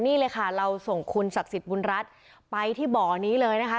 นี่เลยค่ะเราส่งคุณศักดิ์สิทธิ์บุญรัฐไปที่บ่อนี้เลยนะคะ